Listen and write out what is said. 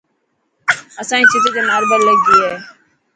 اسائي ڇت تي ماربل لگل هي.